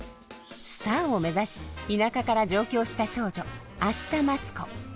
スターを目指し田舎から上京した少女明日待子。